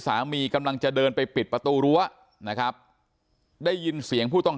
กำลังจะเดินไปปิดประตูรั้วนะครับได้ยินเสียงผู้ต้อง